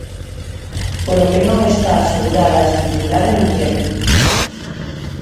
Polo que non esta asegurada a estabilidade no emprego.